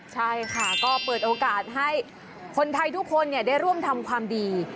ใช่ค่ะก็เปิดโอกาสให้คนไทยทุกคนได้ร่วมทำความดี